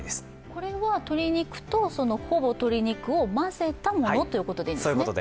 これは鶏肉と、ほぼ鶏肉を混ぜたものということでいいんですね？